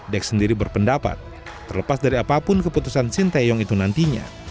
dex sendiri berpendapat terlepas dari apapun keputusan sinteyong itu nantinya